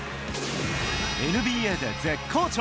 ＮＢＡで絶好調。